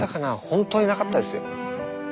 ほんとになかったですよ。